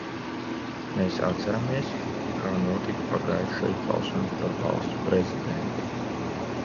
Mēs atceramies, kā notika pagājušais balsojums par Valsts prezidentu.